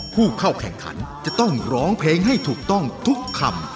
ผู้เข้าแข่งขันจะต้องร้องเพลงให้ถูกต้องทุกคำ